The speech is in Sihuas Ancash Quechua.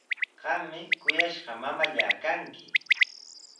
Qami kuyashqa mamallaa kanki.